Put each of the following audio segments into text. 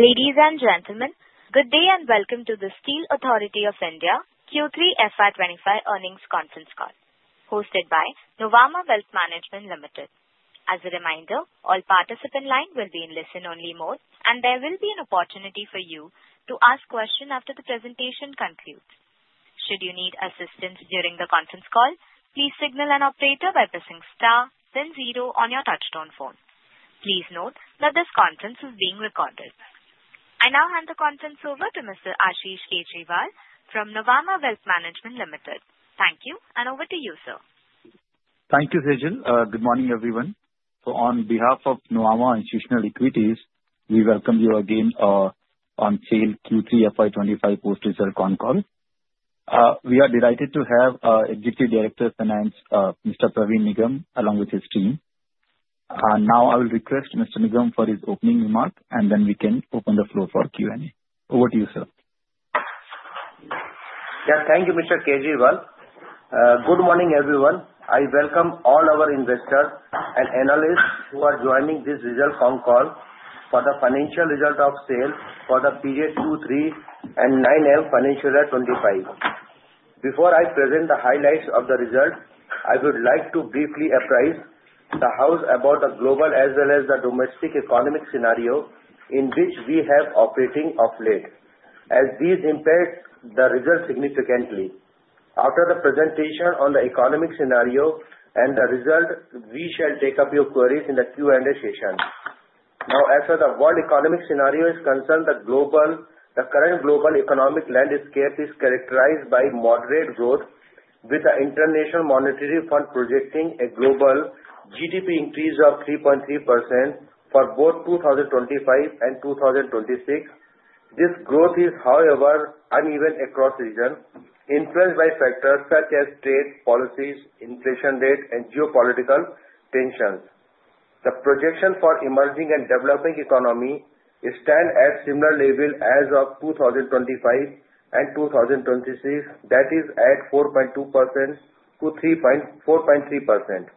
Ladies and gentlemen, good day and welcome to the Steel Authority of India Q3 FY25 earnings conference call, hosted by Nuvama Wealth Management Limited. As a reminder, all participants' lines will be in listen-only mode, and there will be an opportunity for you to ask a question after the presentation concludes. Should you need assistance during the conference call, please signal an operator by pressing star, then zero on your touch-tone phone. Please note that this conference is being recorded. I now hand the conference over to Mr. Ashish Kejriwal from Nuvama Wealth Management Limited. Thank you, and over to you, sir. Thank you, Sejal. Good morning, everyone. So, on behalf of Nuvama Institutional Equities, we welcome you again on Steel Q3 FY25 post-result con call. We are delighted to have Executive Director of Finance, Mr. Praveen Nigam, along with his team. Now, I will request Mr. Nigam for his opening remark, and then we can open the floor for Q&A. Over to you, sir. Yeah, thank you, Mr. Kejriwal. Good morning, everyone. I welcome all our investors and analysts who are joining this result con call for the financial result of sales for the period Q3 and 9M financial year 2025. Before I present the highlights of the result, I would like to briefly apprise the House about the global as well as the domestic economic scenario in which we have operating of late, as these impact the result significantly. After the presentation on the economic scenario and the result, we shall take up your queries in the Q&A session. Now, as for the world economic scenario is concerned, the current global economic landscape is characterized by moderate growth, with the International Monetary Fund projecting a global GDP increase of 3.3% for both 2025 and 2026. This growth is, however, uneven across the region, influenced by factors such as trade, policies, inflation rate, and geopolitical tensions. The projection for emerging and developing economies stands at similar levels as of 2025 and 2026, that is, at 4.2% to 4.3%.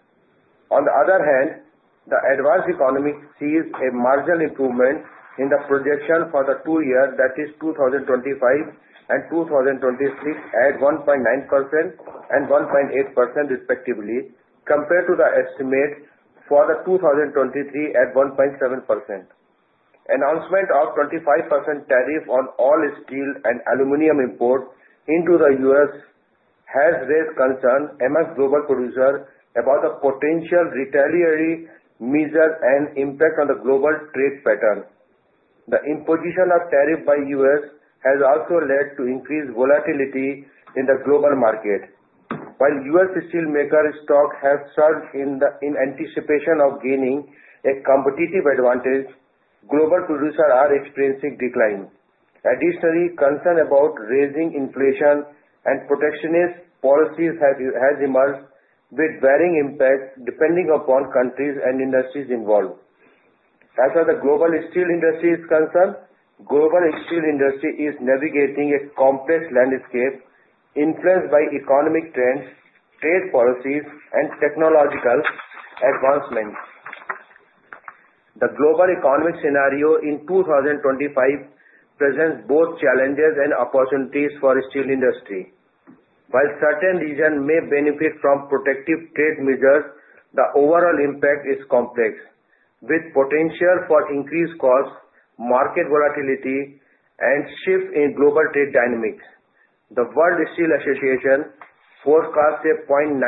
On the other hand, the advanced economy sees a marginal improvement in the projection for the two years, that is, 2025 and 2026, at 1.9% and 1.8%, respectively, compared to the estimate for 2023 at 1.7%. Announcement of 25% tariff on all steel and aluminum imports into the U.S. has raised concern among global producers about the potential retaliatory measures and impact on the global trade pattern. The imposition of tariffs by the U.S. has also led to increased volatility in the global market. While U.S. steelmaker stocks have surged in anticipation of gaining a competitive advantage, global producers are experiencing decline. Additionally, concern about raising inflation and protectionist policies has emerged, with varying impacts depending upon countries and industries involved. As for the global steel industry's concern, global steel industry is navigating a complex landscape influenced by economic trends, trade policies, and technological advancements. The global economic scenario in 2025 presents both challenges and opportunities for the steel industry. While certain regions may benefit from protective trade measures, the overall impact is complex, with potential for increased costs, market volatility, and shifts in global trade dynamics. The World Steel Association forecasts a 0.9%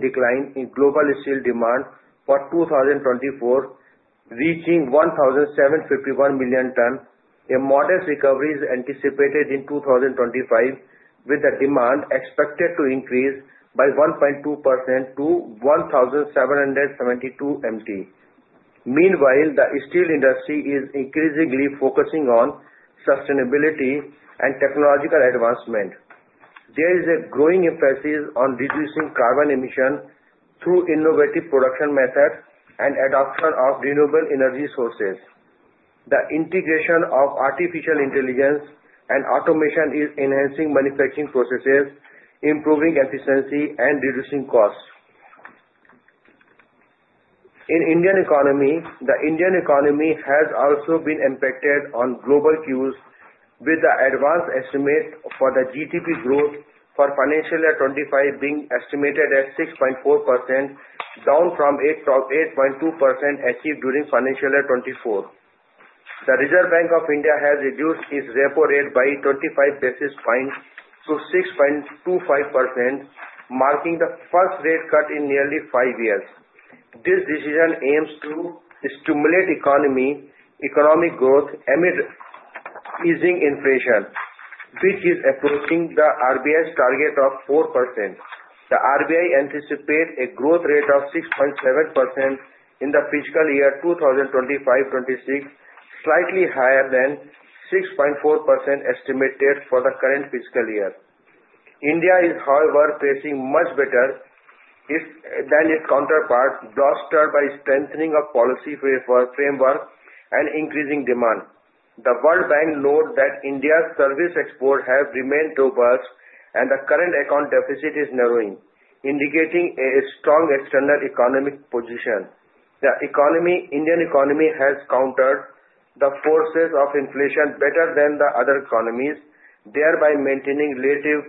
decline in global steel demand for 2024, reaching 1,751 million tons. A modest recovery is anticipated in 2025, with the demand expected to increase by 1.2% to 1,772 MT. Meanwhile, the steel industry is increasingly focusing on sustainability and technological advancement. There is a growing emphasis on reducing carbon emissions through innovative production methods and the adoption of renewable energy sources. The integration of artificial intelligence and automation is enhancing manufacturing processes, improving efficiency, and reducing costs. In the Indian economy has also been impacted by global cues, with the advanced estimate for the GDP growth for financial year 2025 being estimated at 6.4%, down from 8.2% achieved during financial year 2024. The Reserve Bank of India has reduced its repo rate by 25 basis points to 6.25%, marking the first rate cut in nearly five years. This decision aims to stimulate economic growth amid easing inflation, which is approaching the RBI's target of 4%. The RBI anticipates a growth rate of 6.7% in the fiscal year 2025-26, slightly higher than the 6.4% estimated for the current fiscal year. India is, however, facing much better than its counterpart, bolstered by the strengthening of the policy framework and increasing demand. The World Bank notes that India's service exports have remained robust, and the current account deficit is narrowing, indicating a strong external economic position. The Indian economy has countered the forces of inflation better than the other economies, thereby maintaining relative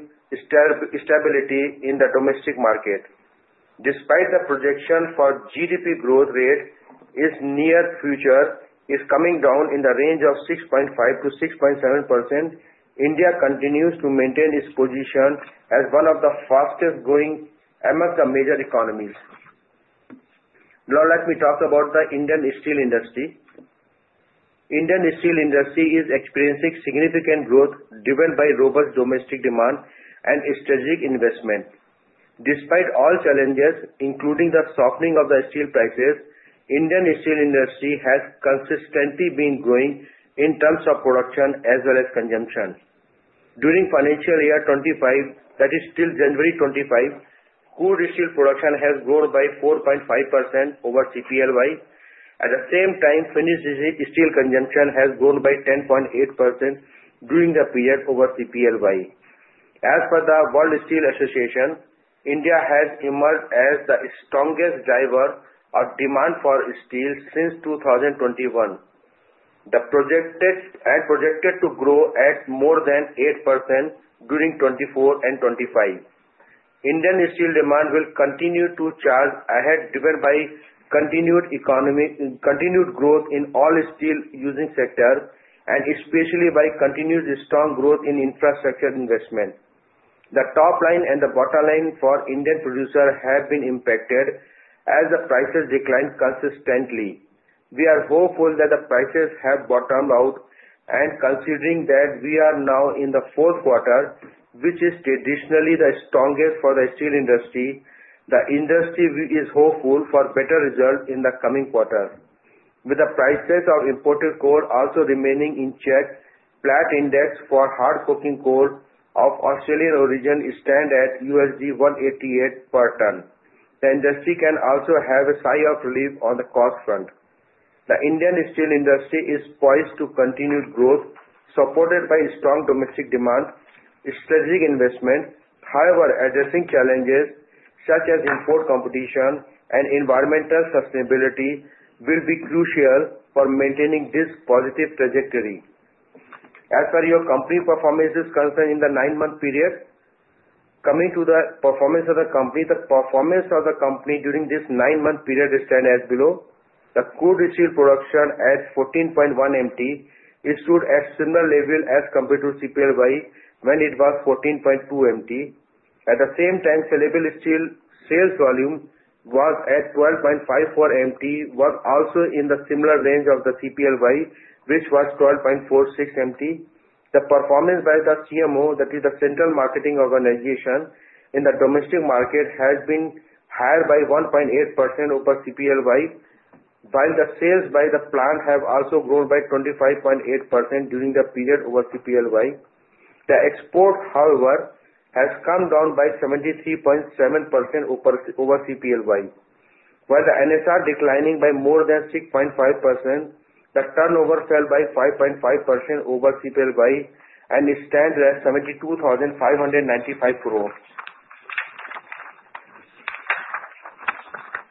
stability in the domestic market. Despite the projection for GDP growth rate in the near future coming down in the range of 6.5%-6.7%, India continues to maintain its position as one of the fastest-growing among the major economies. Now, let me talk about the Indian steel industry. The Indian steel industry is experiencing significant growth driven by robust domestic demand and strategic investment. Despite all challenges, including the softening of steel prices, the Indian steel industry has consistently been growing in terms of production as well as consumption. During financial year 2025, that is, till January 2025, crude steel production has grown by 4.5% over CPLY. At the same time, finished steel consumption has grown by 10.8% during the period over CPLY. As for the World Steel Association, India has emerged as the strongest driver of demand for steel since 2021, projected to grow at more than 8% during 2024 and 2025. Indian steel demand will continue to charge ahead driven by continued growth in all steel using sectors, and especially by continued strong growth in infrastructure investment. The top line and the bottom line for Indian producers have been impacted as the prices declined consistently. We are hopeful that the prices have bottomed out, and considering that we are now in the fourth quarter, which is traditionally the strongest for the steel industry, the industry is hopeful for better results in the coming quarter, with the prices of imported coal also remaining in check. The Platts index for hard coking coal of Australian origin stands at $188 per ton. The industry can also have a sigh of relief on the cost front. The Indian steel industry is poised to continue growth, supported by strong domestic demand and strategic investment. However, addressing challenges such as import competition and environmental sustainability will be crucial for maintaining this positive trajectory. As for your company performance is concerned in the nine-month period, coming to the performance of the company, the performance of the company during this nine-month period stands as below. The crude steel production at 14.1 MT stood at a similar level as compared to CPLY when it was 14.2 MT. At the same time, saleable steel sales volume was at 12.54 MT, also in the similar range of the CPLY, which was 12.46 MT. The performance by the CMO, that is, the central marketing organization in the domestic market, has been higher by 1.8% over CPLY, while the sales by the plant have also grown by 25.8% during the period over CPLY. The export, however, has come down by 73.7% over CPLY, while the NSR is declining by more than 6.5%. The turnover fell by 5.5% over CPLY and stands at INR 72,595 crore.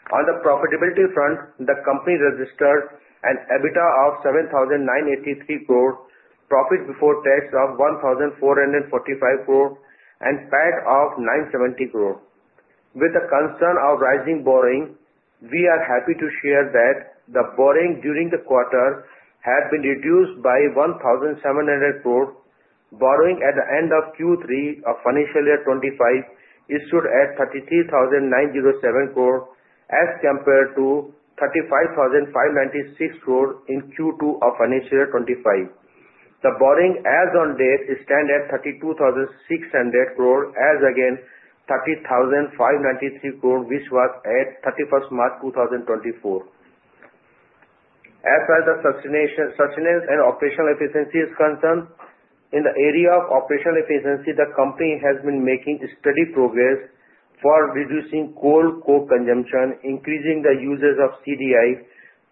On the profitability front, the company registered an EBITDA of 7,983 crore, profit before tax of 1,445 crore, and PAT of 970 crore. With the concern of rising borrowing, we are happy to share that the borrowing during the quarter has been reduced by 1,700 crore. Borrowing at the end of Q3 of financial year 25 issued at 33,907 crore, as compared to 35,596 crore in Q2 of financial year 25. The borrowing as of date stands at 32,600 crore, as against 30,593 crore, which was at 31st March 2024. As for the sustenance and operational efficiency is concerned, in the area of operational efficiency, the company has been making steady progress for reducing coal co-consumption, increasing the usage of CDI,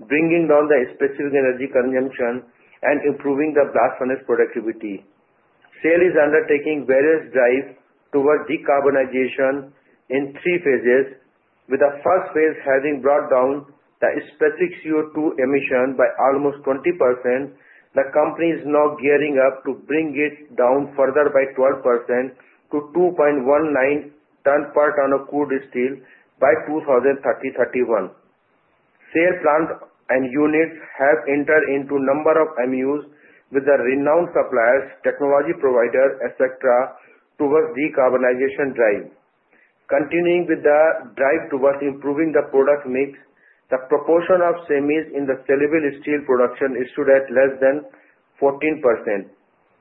bringing down the specific energy consumption, and improving the blast furnace productivity. SAIL is undertaking various drives towards decarbonization in three phases, with the first phase having brought down the specific CO2 emission by almost 20%. The company is now gearing up to bring it down further by 12% to 2.19 tons per ton of crude steel by 2030-31. SAIL plants and units have entered into a number of MoUs with the renowned suppliers, technology providers, etc., towards decarbonization drive. Continuing with the drive towards improving the product mix, the proportion of semis in the saleable steel production is at less than 14%.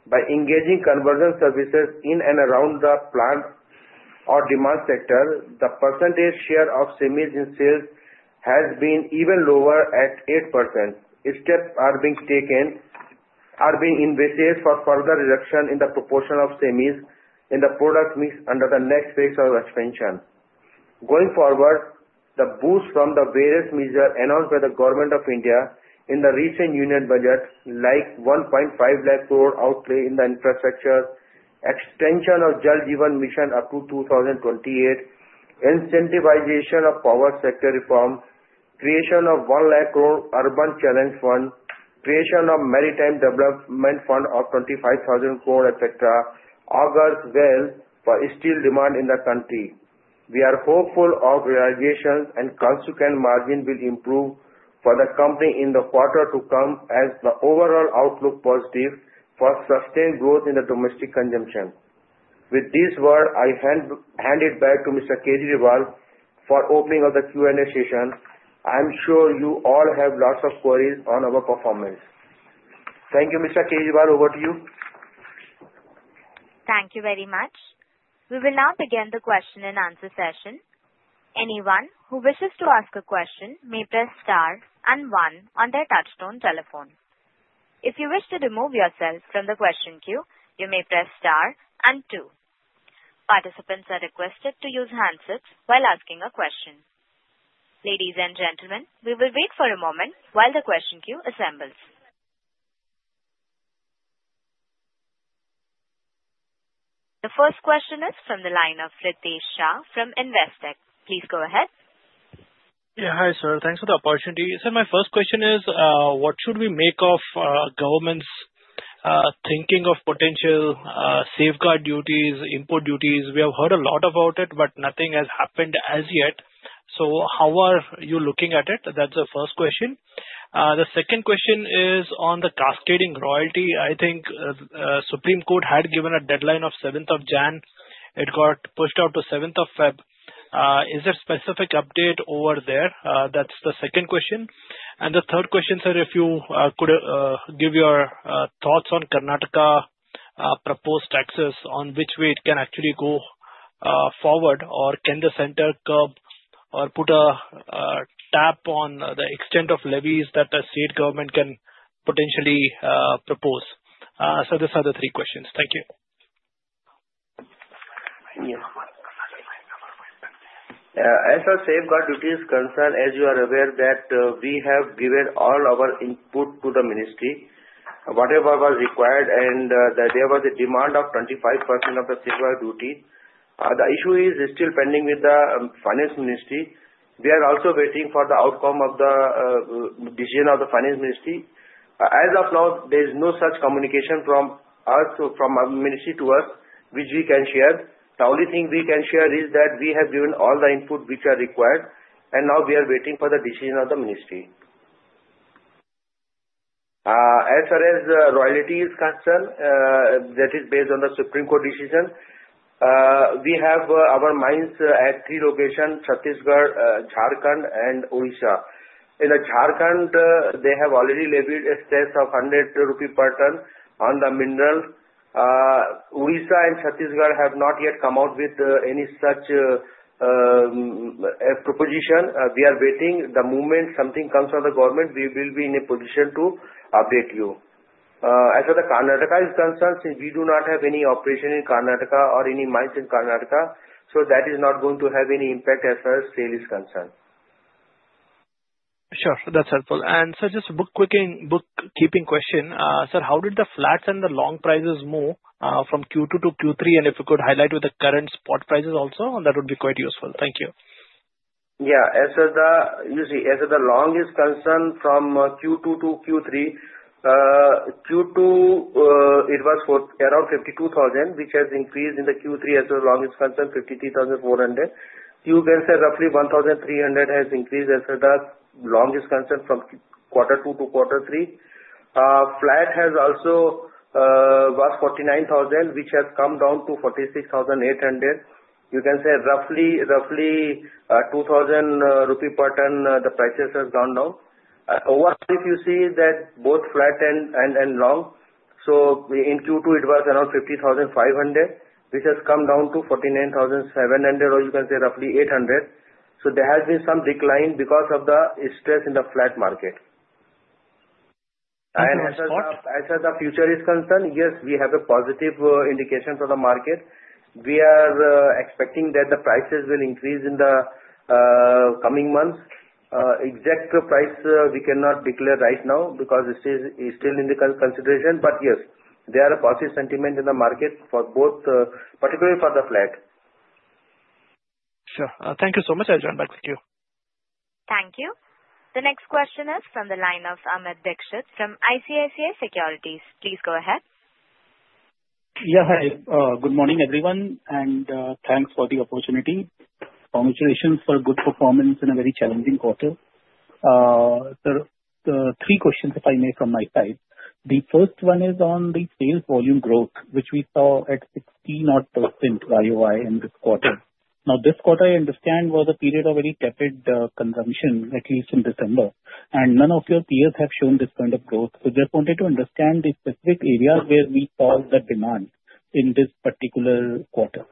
By engaging conversion services in and around the plant or demand sector, the percentage share of semis in sales has been even lower at 8%. Steps are being taken in this case for further reduction in the proportion of semis in the product mix under the next phase of expansion. Going forward, the boost from the various measures announced by the Government of India in the recent union budget, like 1.5 lakh crore outlay in the infrastructure, extension of Jal Jeevan Mission up to 2028, incentivization of power sector reform, creation of 1 lakh crore urban challenge fund, creation of maritime development fund of 25,000 crore, etc., augurs well for steel demand in the country. We are hopeful of realization and consequent margin will improve for the company in the quarter to come as the overall outlook is positive for sustained growth in the domestic consumption. With these words, I hand it back to Mr. Kejriwal for opening of the Q&A session. I am sure you all have lots of queries on our performance. Thank you, Mr. Kejriwal. Over to you. Thank you very much. We will now begin the question and answer session. Anyone who wishes to ask a question may press star and one on their touch-tone telephone. If you wish to remove yourself from the question queue, you may press star and two. Participants are requested to use handsets while asking a question. Ladies and gentlemen, we will wait for a moment while the question queue assembles. The first question is from the line of Ritesh Shah from Investec. Please go ahead. Yeah, hi sir. Thanks for the opportunity. So my first question is, what should we make of the government's thinking of potential safeguard duties, import duties? We have heard a lot about it, but nothing has happened as yet. So how are you looking at it? That's the first question. The second question is on the cascading royalty. I think the Supreme Court had given a deadline of 7th of January. It got pushed out to 7th of February. Is there a specific update over there? That's the second question. And the third question is, if you could give your thoughts on Karnataka proposed taxes, on which way it can actually go forward, or can the center curb or put a cap on the extent of levies that the state government can potentially propose? So those are the three questions. Thank you. As for safeguard duties concern, as you are aware, that we have given all our input to the ministry, whatever was required, and there was a demand of 25% of the safeguard duties. The issue is still pending with the Finance Ministry. We are also waiting for the outcome of the decision of the Finance Ministry. As of now, there is no such communication from us, from our ministry to us, which we can share. The only thing we can share is that we have given all the input which are required, and now we are waiting for the decision of the ministry. As far as royalties concern, that is based on the Supreme Court decision. We have our mines at three locations: Chhattisgarh, Jharkhand, and Odisha. In Jharkhand, they have already levied a cess of 100 rupee per ton on the mineral. Odisha and Chhattisgarh have not yet come out with any such proposition. We are waiting. The moment something comes from the government, we will be in a position to update you. As for Karnataka is concerned, we do not have any operation in Karnataka or any mines in Karnataka, so that is not going to have any impact as far as sale is concerned. Sure. That's helpful. And sir, just a bookkeeping question. Sir, how did the flats and the long prices move from Q2 to Q3, and if you could highlight with the current spot prices also, that would be quite useful. Thank you. Yeah. As for the long is concerned from Q2 to Q3, Q2 it was around 52,000, which has increased in Q3. As for the long is concerned, 53,400. You can say roughly 1,300 has increased as far as long is concerned from quarter two to quarter three. Flat has also was 49,000, which has come down to 46,800. You can say roughly 2,000 rupee per ton the prices have gone down. Overall, if you see that both flat and long, so in Q2 it was around 50,500, which has come down to 49,700, or you can say roughly 800. So there has been some decline because of the stress in the flat market. As far as the future is concerned, yes, we have a positive indication for the market. We are expecting that the prices will increase in the coming months. Exact price we cannot declare right now because it is still in the consideration, but yes, there are positive sentiments in the market for both, particularly for the flat. Sure. Thank you so much. I'll join back with you. Thank you. The next question is from the line of Amit Dixit from ICICI Securities. Please go ahead. Yeah, hi. Good morning, everyone, and thanks for the opportunity. Congratulations for good performance in a very challenging quarter. Sir, three questions, if I may, from my side. The first one is on the sales volume growth, which we saw at 60-odd% ROI in this quarter. Now, this quarter, I understand, was a period of very tepid consumption, at least in December, and none of your peers have shown this kind of growth. So just wanted to understand the specific area where we saw the demand in this particular quarter.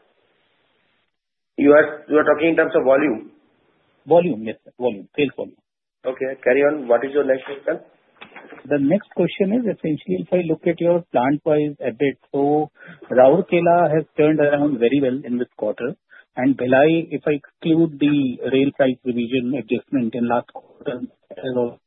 You are talking in terms of volume? Volume, yes, sir. Volume, sales volume. Okay. Carry on. What is your next question? The next question is essentially, if I look at your plant-wise efforts, so Rourkela has turned around very well in this quarter, and Bhilai, if I exclude the rail price revision adjustment in last quarter, has also turned around.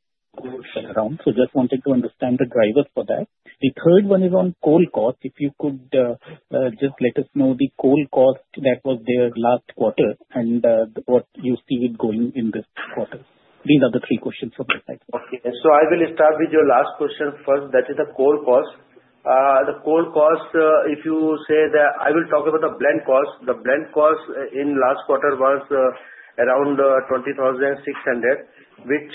So just wanted to understand the drivers for that. The third one is on coal cost. If you could just let us know the coal cost that was there last quarter and what you see it going in this quarter. These are the three questions from my side. Okay. So I will start with your last question first. That is the coal cost. The coal cost, if you say that I will talk about the blend cost. The blend cost in last quarter was around 20,600, which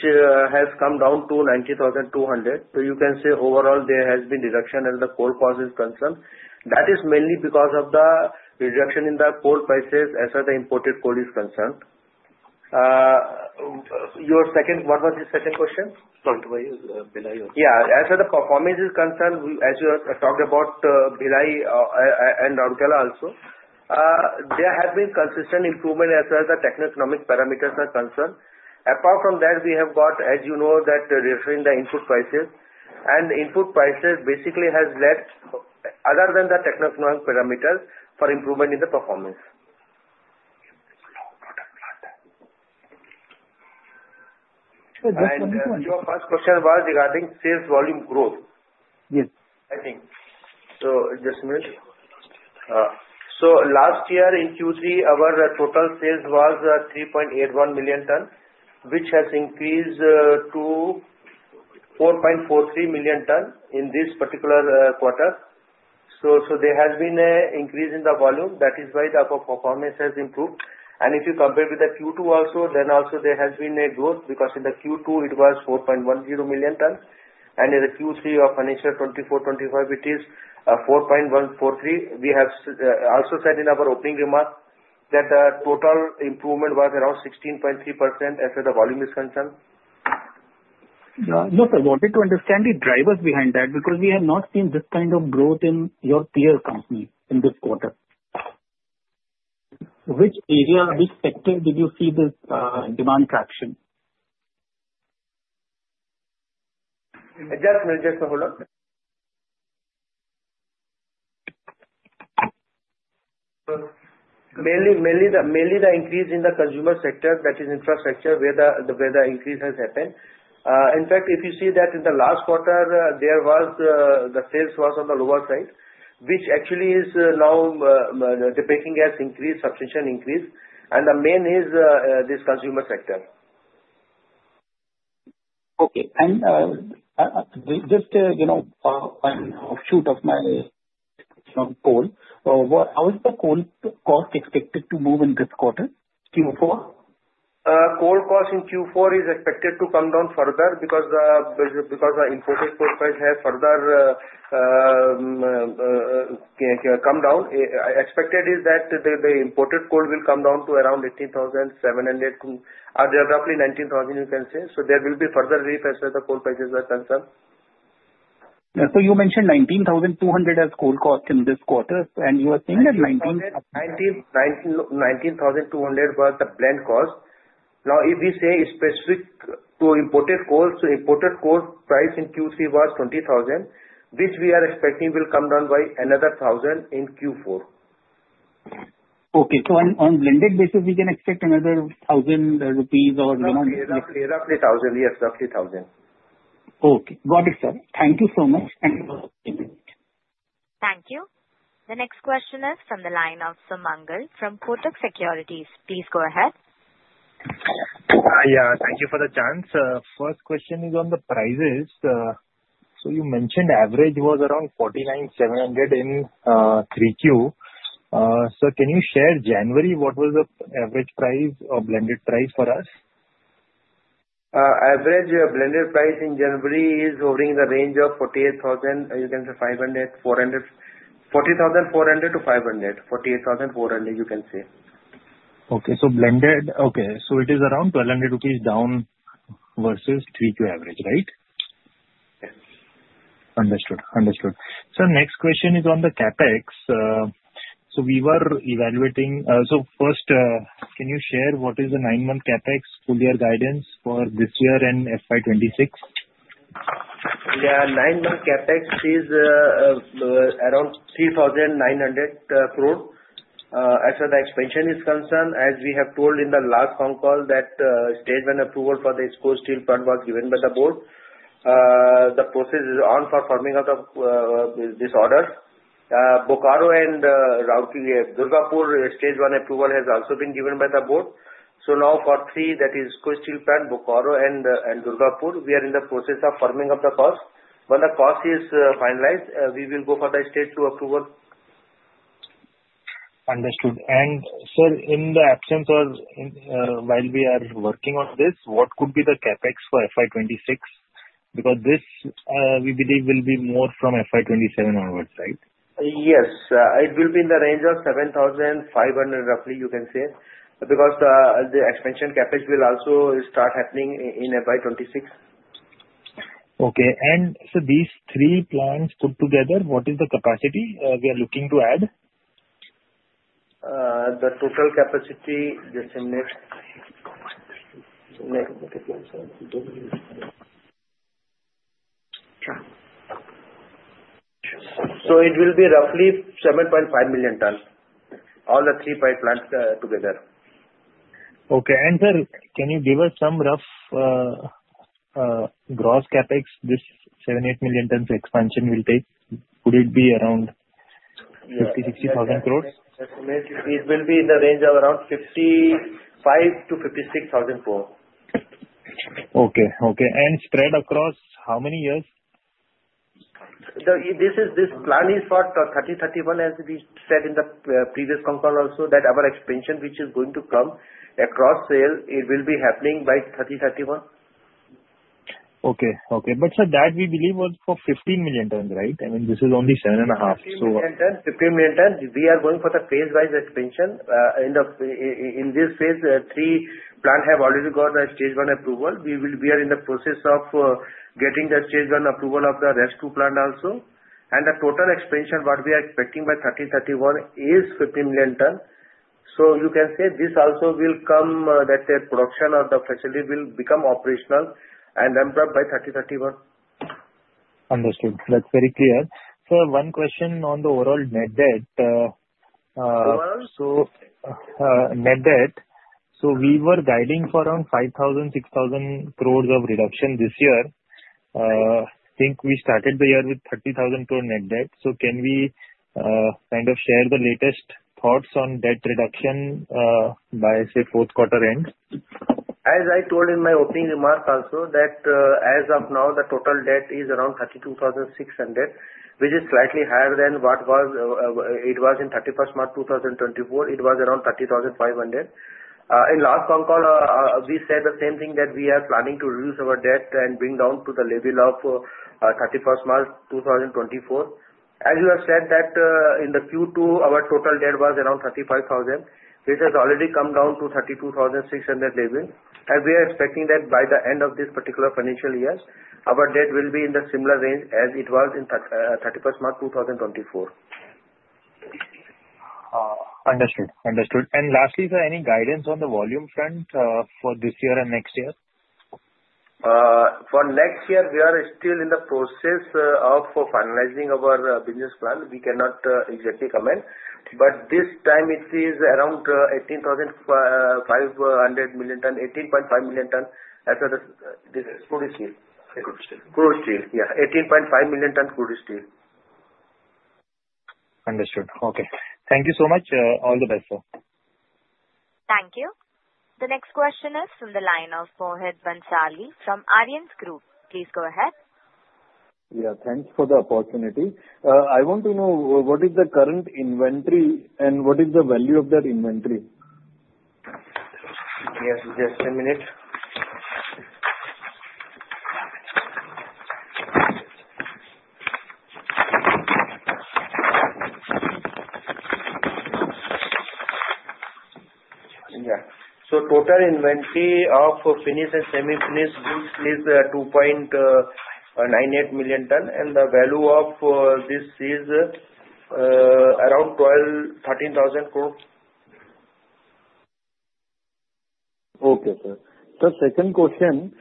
has come down to 90,200. So you can say overall there has been reduction as the coal cost is concerned. That is mainly because of the reduction in the coal prices as far as the imported coal is concerned. What was the second question? Sorry, Bhilai. Yeah. As for the performance is concerned, as you talked about Bhilai and Rourkela also, there has been consistent improvement as far as the techno-economic parameters are concerned. Apart from that, we have got, as you know, that referring to the input prices, and input prices basically has led, other than the techno-economic parameters, for improvement in the performance. And your first question was regarding sales volume growth. Yes. I think. So just a minute. So last year in Q3, our total sales was 3.81 million ton, which has increased to 4.43 million ton in this particular quarter. So there has been an increase in the volume. That is why our performance has improved. And if you compare with the Q2 also, then also there has been a growth because in Q2 it was 4.10 million ton, and in Q3 of financial 2024-2025, it is 4.143. We have also said in our opening remark that the total improvement was around 16.3% as far as the volume is concerned. No, sir. Wanted to understand the drivers behind that because we have not seen this kind of growth in your peer company in this quarter. Which area, which sector did you see the demand traction? Just a minute. Just a hold on. Mainly the increase in the consumer sector, that is infrastructure, where the increase has happened. In fact, if you see that in the last quarter, the sales was on the lower side, which actually is now the bookings has increased, substantial increase. And the main is this consumer sector. Okay. And just a shoot of my question on coal. How is the coal cost expected to move in this quarter, Q4? Coal cost in Q4 is expected to come down further because the imported coal price has further come down. Expected is that the imported coal will come down to around 18,700, roughly 19,000, you can say. So there will be further relief as far as the coal prices are concerned. So you mentioned 19,200 as coal cost in this quarter, and you were saying that 19,200 was the blended cost. Now, if we say specific to imported coal, so imported coal price in Q3 was 20,000, which we are expecting will come down by another 1,000 in Q4. Okay. So on blended basis, we can expect another 1,000 rupees or? Yeah, roughly 1,000. Yes, roughly 1,000. Okay. Got it, sir. Thank you so much. Thank you. The next question is from the line of Sumangal from Kotak Securities. Please go ahead. Yeah. Thank you for the chance. First question is on the prices. So you mentioned average was around 49,700 in 3Q. So can you share January what was the average price or blended price for us? Average blended price in January is hovering in the range of 48,000, you can say 48,500, 48,400 to 48,500, 48,400, you can say. Okay. So blended, okay. So it is around 1,200 rupees down versus 3Q average, right? Yes. Understood. Understood. So next question is on the CapEx. So we were evaluating. So first, can you share what is the 9-month CapEx full-year guidance for this year and FY 26? Yeah. 9-month CapEx is around 3,900 crore. As for the expansion is concerned, as we have told in the last phone call that stage one approval for the IISCO steel plant was given by the board. The process is on for firming up of this order. Bokaro and Durgapur, stage one approval has also been given by the board. So now for three, that is IISCO Steel Plant, Bokaro and Durgapur, we are in the process of working out the cost. When the cost is finalized, we will go for the stage two approval. Understood. And sir, in the absence or while we are working on this, what could be the CapEx for FY 26? Because this we believe will be more from FY 27 onwards, right? Yes. It will be in the range of ₹7,500 crore roughly, you can say, because the expansion CapEx will also start happening in FY 26. Okay. And so these three plants put together, what is the capacity we are looking to add? The total capacity, just a minute. So it will be roughly 7.5 million ton, all the three these plants together. Okay. And sir, can you give us some rough gross CapEx this 7-8 million ton expansion will take? Could it be around 50,000-60,000 crore? It will be in the range of around 55,000-56,000 crore. Okay. Okay. And spread across how many years? This plan is for 2031, as we said in the previous phone call also, that our expansion, which is going to come across saleable, it will be happening by 2031. Okay. Okay. But sir, that we believe was for 15 million ton, right? I mean, this is only 7 and a half. 15 million ton. 15 million ton. We are going for the phase-wise expansion. In this phase, three plants have already got stage one approval. We are in the process of getting the stage one approval of the rest two plant also. And the total expansion, what we are expecting by 2031, is 15 million ton. So you can say this also will come that the production of the facility will become operational and ramped up by 2031. Understood. That's very clear. Sir, one question on the overall net debt. Overall? So net debt, so we were guiding for around 5,000-6,000 crore of reduction this year. I think we started the year with 30,000 crore net debt. So can we kind of share the latest thoughts on debt reduction by, say, fourth quarter end? As I told in my opening remark also, that as of now, the total debt is around 32,600 crore, which is slightly higher than what it was in 31st March 2024. It was around 30,500 crore. In last phone call, we said the same thing that we are planning to reduce our debt and bring down to the level of 31st March 2024. As you have said, that in Q2, our total debt was around 35,000, which has already come down to 32,600 level. And we are expecting that by the end of this particular financial year, our debt will be in the similar range as it was in 31st March 2024. Understood. Understood. And lastly, sir, any guidance on the volume front for this year and next year? For next year, we are still in the process of finalizing our business plan. We cannot exactly comment. But this time, it is around 18,500 million, 18.5 million ton as far as crude steel. Crude steel. Yeah. 18.5 million ton crude steel. Understood. Okay. Thank you so much. All the best, sir. Thank you. The next question is from the line of Mohit Bhansali from Arihant Capital. Please go ahead. Yeah. Thanks for the opportunity. I want to know what is the current inventory and what is the value of that inventory? Yes. Just a minute. Yeah. So total inventory of finished and semi-finished goods is 2.98 million ton, and the value of this is around INR 13,000 crore. Okay, sir. Sir, second question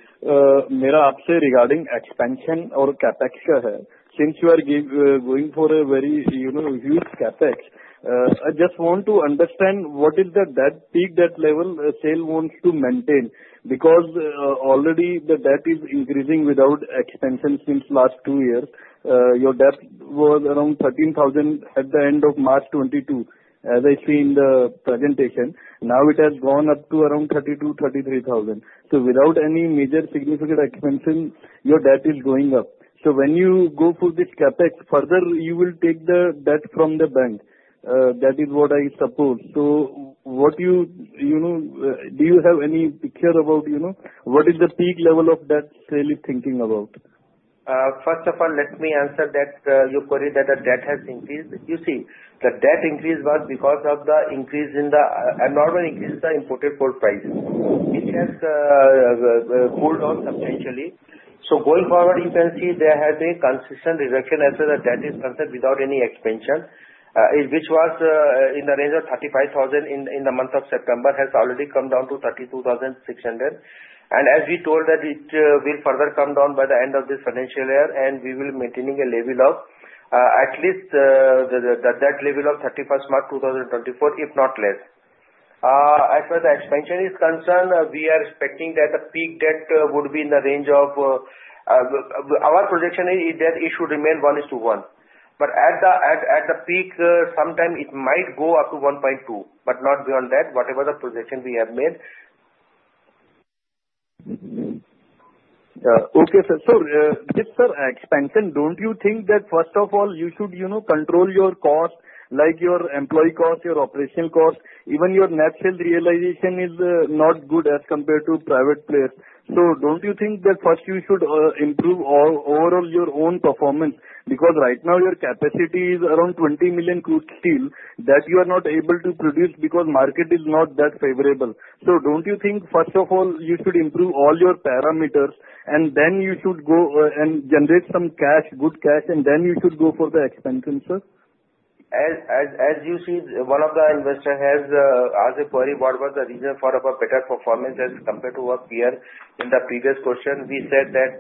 mera aap se regarding expansion aur CapEx ka hai. Since you are going for a very huge CapEx, I just want to understand what is the debt peak that SAIL wants to maintain because already the debt is increasing without expansion since last two years. Your debt was around 13,000 at the end of March 2022, as I see in the presentation. Now it has gone up to around 32-33 thousand. So without any major significant expansion, your debt is going up. So when you go for this CapEx further, you will take the debt from the bank. That is what I suppose. So do you have any picture about what is the peak level of debt SAIL is thinking about? First of all, let me answer that you queried that the debt has increased. You see, the debt increase was because of the increase in the abnormal increase in the imported coal prices, which has cooled off substantially. So going forward, you can see there has been consistent reduction as far as the debt is concerned without any expansion, which was in the range of 35,000 in the month of September, has already come down to 32,600. And as we told that it will further come down by the end of this financial year, and we will be maintaining a level of at least that level of 31st March 2024, if not less. As for the expansion is concerned, we are expecting that the peak debt would be in the range of our projection is that it should remain 1:1. But at the peak, sometime it might go up to 1.2, but not beyond that, whatever the projection we have made. Okay, sir. So with expansion, don't you think that first of all, you should control your cost, like your employee cost, your operational cost? Even your net sales realization is not good as compared to private players. So don't you think that first you should improve overall your own performance? Because right now, your capacity is around 20 million crude steel that you are not able to produce because the market is not that favorable. So don't you think first of all, you should improve all your parameters, and then you should go and generate some cash, good cash, and then you should go for the expansion, sir? As you see, one of the investors has asked a query about what was the reason for our better performance as compared to our peer. In the previous question, we said that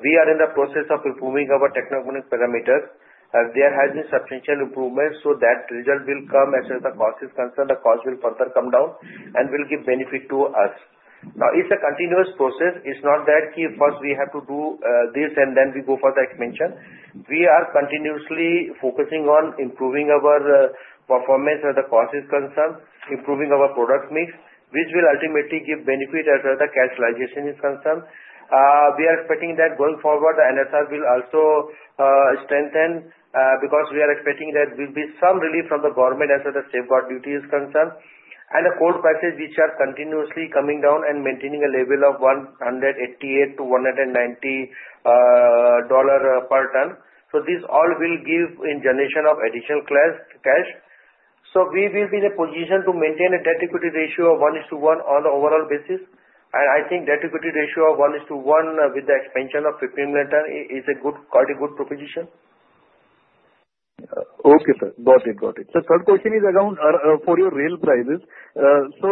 we are in the process of improving our technical parameters. There has been substantial improvement, so that result will come as far as the cost is concerned. The cost will further come down and will give benefit to us. Now, it's a continuous process. It's not that first we have to do this and then we go for the expansion. We are continuously focusing on improving our performance as far as the cost is concerned, improving our product mix, which will ultimately give benefit as far as the cash realization is concerned. We are expecting that going forward, the NSR will also strengthen because we are expecting that there will be some relief from the government as far as the safeguard duty is concerned, and the coal prices, which are continuously coming down and maintaining a level of $188-$190 per ton. So this all will give in generation of additional cash. So we will be in a position to maintain a debt-equity ratio of 1:1 on the overall basis. And I think debt-equity ratio of 1:1 with the expansion of 15 million tons is quite a good proposition. Okay, sir. Got it. Got it. So third question is around for your rail prices. So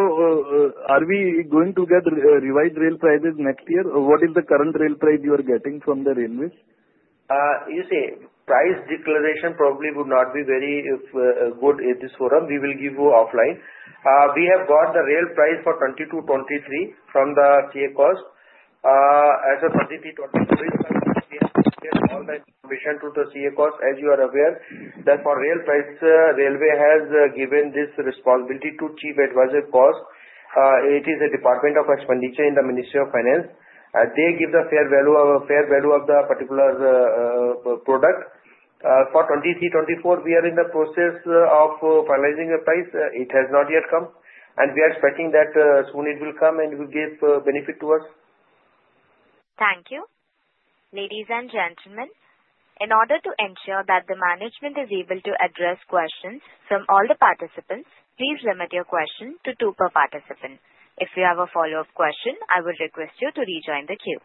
are we going to get revised rail prices next year? What is the current rail price you are getting from the railways? You see, price declaration probably would not be very good at this forum. We will give you offline. We have got the rail price for 2022-23 from the Chief Adviser Cost. As of 2023-24, we have given all the information to the Chief Adviser Cost. As you are aware, that for rail price, the railway has given this responsibility to Chief Adviser Cost. It is a Department of Expenditure in the Ministry of Finance. They give the fair value of the particular product. For 2023-24, we are in the process of finalizing the price. It has not yet come. And we are expecting that soon it will come and will give benefit to us. Thank you. Ladies and gentlemen, in order to ensure that the management is able to address questions from all the participants, please limit your question to two per participant. If you have a follow-up question, I will request you to rejoin the queue.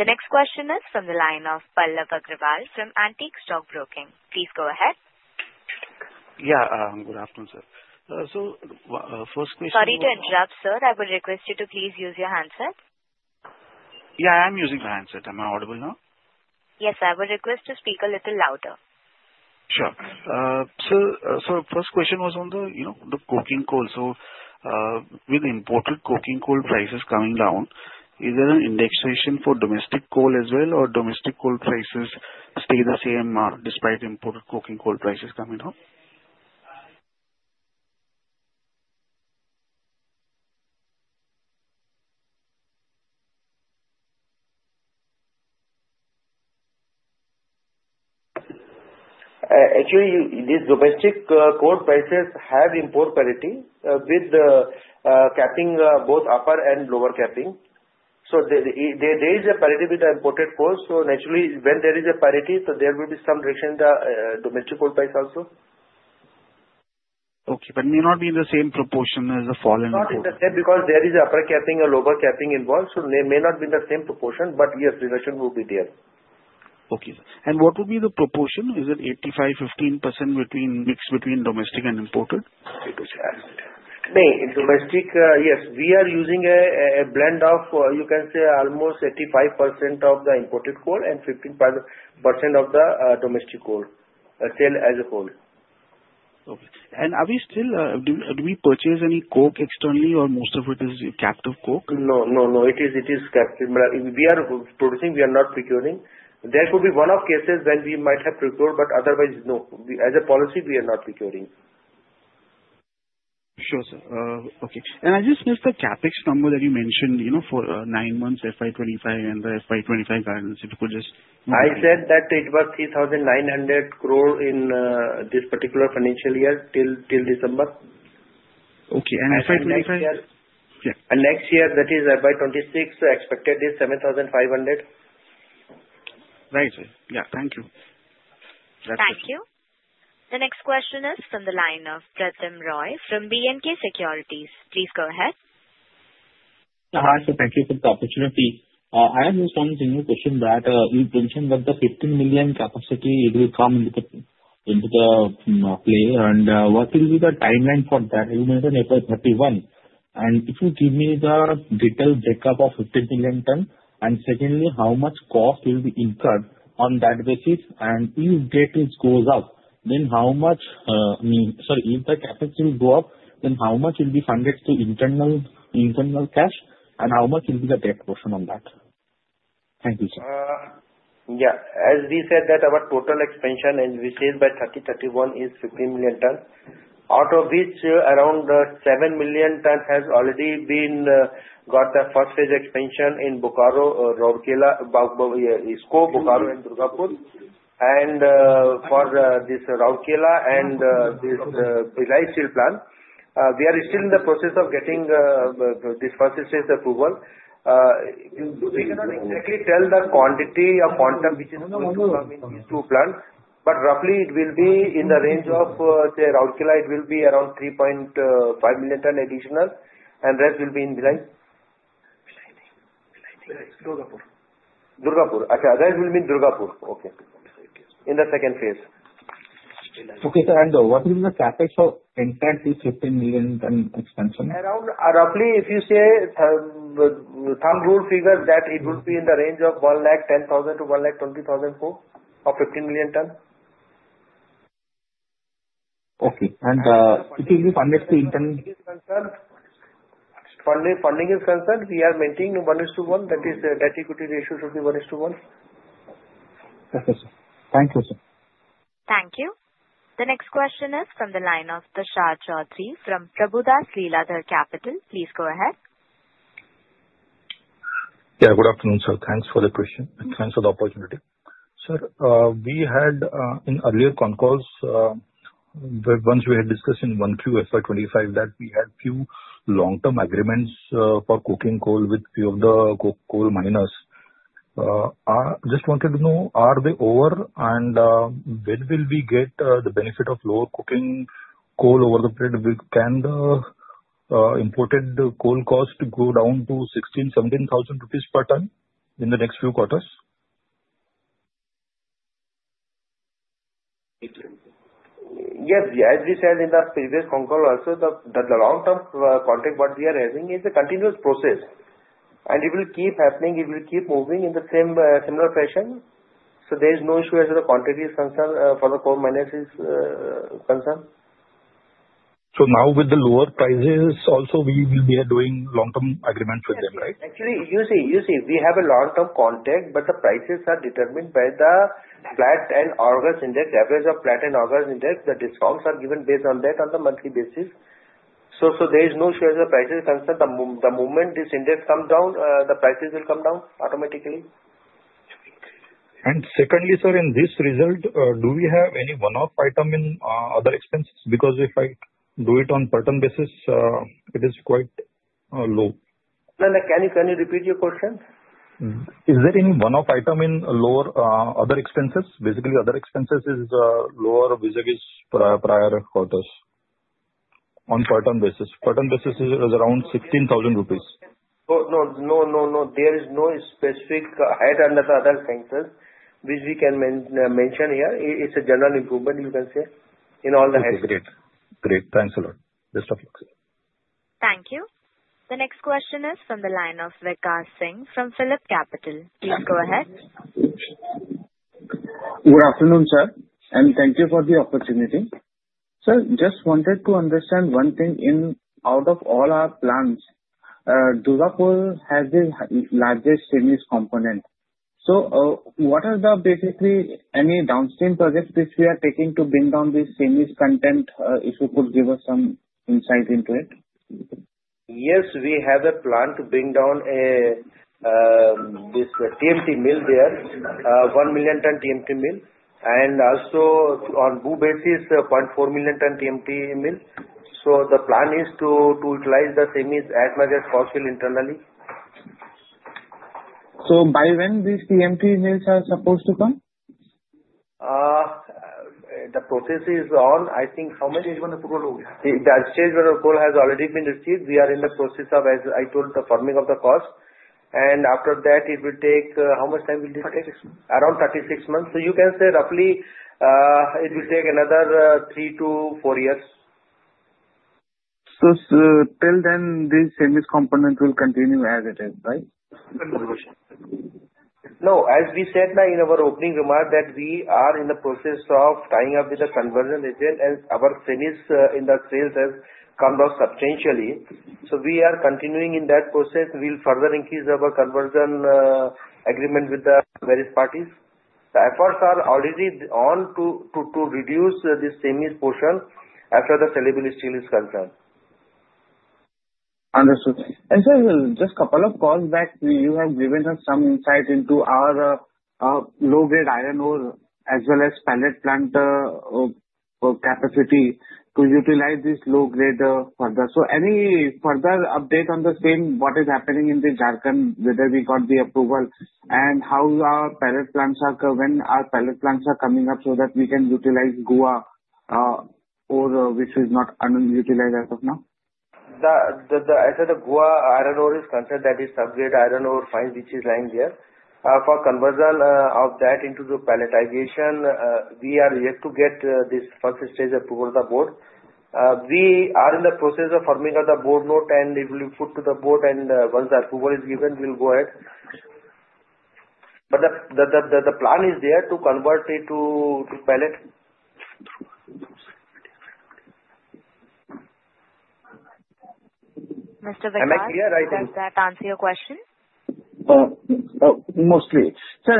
The next question is from the line of Pallav Agarwal from Antique Stock Broking. Please go ahead. Yeah. Good afternoon, sir. So first question. Sorry to interrupt, sir. I will request you to please use your handset. Yeah. I am using the handset. Am I audible now? Yes. I will request to speak a little louder. Sure. So first question was on the coking coal. So with imported coking coal prices coming down, is there an indexation for domestic coal as well, or domestic coal prices stay the same despite imported coking coal prices coming down? Actually, these domestic coal prices have import parity with capping, both upper and lower capping. So there is a parity with the imported coal. So naturally, when there is a parity, there will be some reduction in the domestic coal price also. Okay. But may not be in the same proportion as the fallen? Not in the same because there is upper capping and lower capping involved. So there may not be the same proportion, but yes, reduction will be there. Okay. And what would be the proportion? Is it 85%-15% mix between domestic and imported? Yes. Domestic, yes. We are using a blend of, you can say, almost 85% of the imported coal and 15% of the domestic coal, as a whole. Okay. And do we still purchase any coke externally, or most of it is captive coke? No. No. No. It is captive. We are producing. We are not procuring. There could be one-off cases when we might have procured, but otherwise, no. As a policy, we are not procuring. Sure, sir. Okay. And I just missed the CapEx number that you mentioned for nine months, FY25 and the FY25 guidance. If you could just I said that it was 3,900 crore in this particular financial year till December. Okay. And FY25? And next year? Yeah. And next year, that is FY26, expected is 7,500 crore. Right. Yeah. Thank you. That's it. Thank you. The next question is from the line of Pratim Roy from B&K Securities. Please go ahead. Sir, thank you for the opportunity. I have just one single question that you mentioned that the 15 million capacity will come into play. And what will be the timeline for that? You mentioned FY31. And if you give me the detailed breakup of 15 million ton, and secondly, how much cost will be incurred on that basis? And if debt goes up, then how much sorry, if the CapEx will go up, then how much will be funded to internal cash, and how much will be the debt portion on that? Thank you, sir. Yeah. As we said, that our total expansion is we scale by 2031 is 15 million ton. Out of which, around 7 million ton has already been got the first phase expansion in Bokaro, Rourkela, IISCO, Bhilai, and Durgapur. And for this Rourkela and this Bhilai Steel Plant, we are still in the process of getting this first phase approval. We cannot exactly tell the quantity of quantum which is going to come in these two plants, but roughly it will be in the range of Rourkela, it will be around 3.5 million ton additional, and rest will be in Bhilai, Durgapur. Okay. In the second phase. Okay, sir. And what will be the CapEx for entering this 15 million ton expansion? Roughly, if you say thumb rule figure, that it will be in the range of 110,000-120,000 crore for 15 million ton. Okay. And it will be funded to internal? Funding is concerned, we are maintaining 1:1. That is debt-equity ratio should be 1:1. Okay, sir. Thank you, sir. Thank you. The next question is from the line of Tushar Chaudhari from Prabhudas Lilladher. Please go ahead. Yeah. Good afternoon, sir. Thanks for the question. Thanks for the opportunity. Sir, we had in earlier con calls, once we had discussed in one Q1 FY25 that we had few long-term agreements for coking coal with few of the coking coal miners. I just wanted to know, are they over, and when will we get the benefit of lower coking coal over the period? Can the imported coal cost go down to 16,000-17,000 rupees per ton in the next few quarters? Yes. As we said in the previous con call also, the long-term contract, what we are having, is a continuous process. And it will keep happening. It will keep moving in the same similar fashion. So there is no issue as far as the contract is concerned for the coal miners is concerned. So now with the lower prices, also we will be doing long-term agreements with them, right? Actually, you see, we have a long-term contract, but the prices are determined by the Platts and Argus index, average of Platts and Argus index. The discounts are given based on that on the monthly basis. So there is no issue as far as the prices concerned. The moment this index comes down, the prices will come down automatically. And secondly, sir, in this result, do we have any one-off item in other expenses? Because if I do it on per ton basis, it is quite low. No, no. Can you repeat your question? Is there any one-off item in lower other expenses? Basically, other expenses is lower vis-à-vis prior quarters on per ton basis. Per ton basis is around 16,000 rupees. Oh, no. No, no, no. There is no specific higher than the other expenses which we can mention here. It's a general improvement, you can say, in all the head. Okay. Great. Great. Thanks a lot. Best of luck, sir. Thank you. The next question is from the line of Vikash Singh from PhillipCapital. Please go ahead. Good afternoon, sir. And thank you for the opportunity. Sir, just wanted to understand one thing. Out of all our plants, Durgapur has the largest semis component. So what are the basically any downstream projects which we are taking to bring down this semis content? If you could give us some insight into it. Yes. We have a plan to bring down this TMT mill there, one million-ton TMT mill. And also on Bokaro basis, 0.4 million-ton TMT mill. So the plan is to utilize the semis as much as possible internally. So by when these TMT mills are supposed to come? The process is on. I think how many is going to roll over? The stage where the coal has already been received. We are in the process of, as I told, the forming of the cost, and after that, it will take how much time will it take? Around 36 months. Around 36 months, so you can say roughly it will take another three to four years, so till then, this semis component will continue as it is, right? No, as we said in our opening remark, that we are in the process of tying up with the conversion agent as our semis in the sales have come down substantially, so we are continuing in that process. We'll further increase our conversion agreement with the various parties. The efforts are already on to reduce this semis portion after the saleable steel is concerned. Understood. Sir, just a couple of calls back, you have given us some insight into our low-grade iron ore as well as pellet plant capacity to utilize this low-grade further. So any further update on the same? What is happening in Jharkhand, whether we got the approval, and how our pellet plants are, when our pellet plants are coming up so that we can utilize Goa ore which is not utilized as of now? As far as the Goa iron ore is concerned, that is subgrade iron ore fines which is lying there. For conversion of that into pelletization, we are yet to get this first stage approval of the board. We are in the process of forming of the board note, and it will be put to the board. And once the approval is given, we'll go ahead. But the plan is there to convert it to pellet. Mr. Vikash, does that answer your question? Mostly. Sir,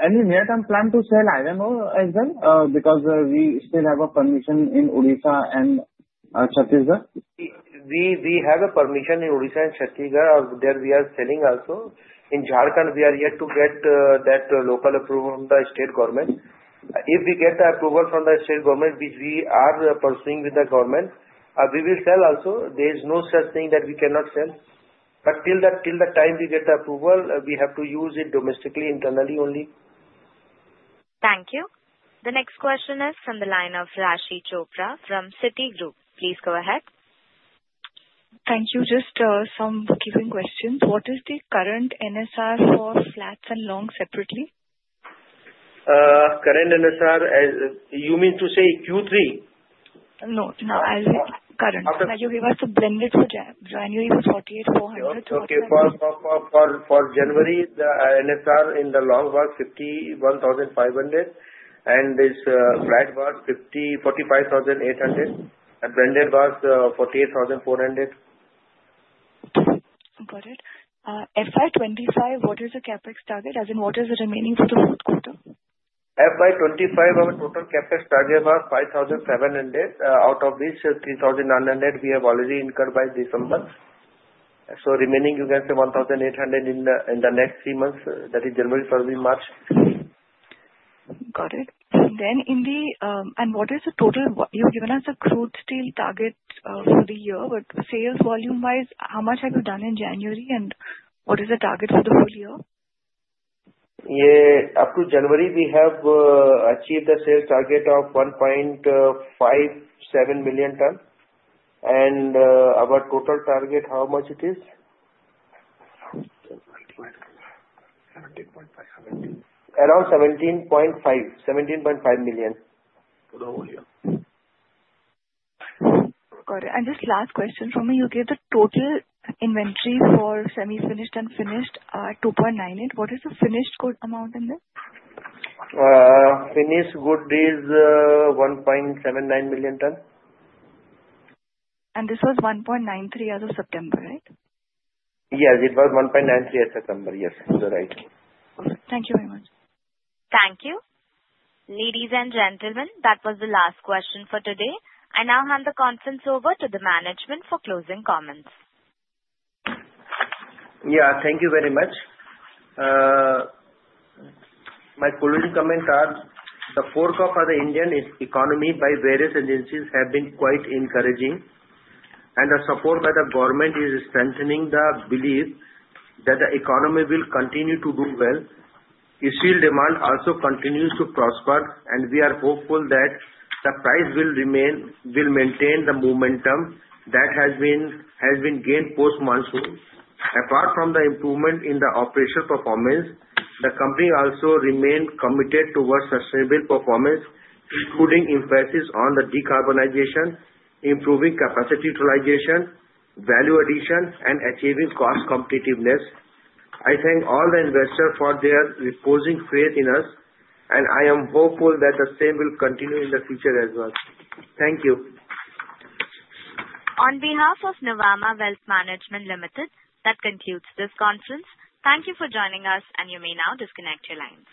any near-term plan to sell iron ore as well? Because we still have a permission in Odisha and Chhattisgarh. We have a permission in Odisha and Chhattisgarh, where we are selling also. In Jharkhand, we are yet to get that local approval from the state government. If we get the approval from the state government, which we are pursuing with the government, we will sell also. There is no such thing that we cannot sell. But till the time we get the approval, we have to use it domestically, internally only. Thank you. The next question is from the line of Raashi Chopra from Citigroup. Please go ahead. Thank you. Just some quick questions. What is the current NSR for flats and long separately? Current NSR, you mean to say Q3? No. Current. Can you give us the blended for January for ₹48,400? Okay. For January, the NSR in the long was ₹51,500, and this flat was ₹45,800. And blended was ₹48,400. Got it. FY25, what is the CapEx target? As in, what is the remaining for the fourth quarter? FY25, our total CapEx target was ₹5,700. Out of which, ₹3,900 we have already incurred by December. So remaining, you can say ₹1,800 in the next three months, that is January through March. Got it. And then, what is the total you've given us the crude steel target for the year, but sales volume-wise, how much have you done in January, and what is the target for the full year? Up to January, we have achieved a sales target of 1.57 million tons. And our total target, how much it is? 17.5. 17.5. 17. Around 17.5. 17.5 million. For the whole year. Got it. And just last question from me. You gave the total inventory for semi-finished and finished are 2.98. What is the finished good amount in there? Finished good is 1.79 million tons. And this was 1.93 as of September, right? Yes. It was 1.93 as of September. Yes. You're right. Perfect. Thank you very much. Thank you. Ladies and gentlemen, that was the last question for today. I now hand the conference over to the management for closing comments. Yeah. Thank you very much. My closing comments are the forecast of the Indian economy by various agencies have been quite encouraging. And the support by the government is strengthening the belief that the economy will continue to do well. Its real demand also continues to prosper, and we are hopeful that the price will maintain the momentum that has been gained post-monsoon. Apart from the improvement in the operational performance, the company also remained committed towards sustainable performance, including emphasis on the decarbonization, improving capacity utilization, value addition, and achieving cost competitiveness. I thank all the investors for their reposing faith in us, and I am hopeful that the same will continue in the future as well. Thank you. On behalf of Nuvama Wealth Management Limited, that concludes this conference. Thank you for joining us, and you may now disconnect your lines.